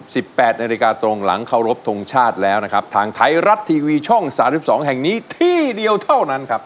แปดนาฬิกาตรงหลังเคารพทงชาติแล้วนะครับทางไทยรัฐทีวีช่องสามสิบสองแห่งนี้ที่เดียวเท่านั้นครับ